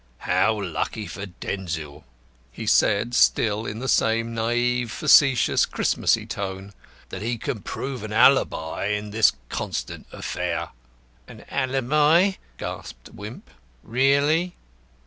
"How lucky for Denzil!" he said, still in the same naive, facetious Christmasy tone, "that he can prove an alibi in this Constant affair." "An alibi!" gasped Wimp. "Really?"